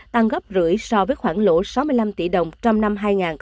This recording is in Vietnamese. tăng gấp rưỡi so với khoảng lỗ sáu mươi năm tỷ đồng trong năm hai nghìn một mươi tám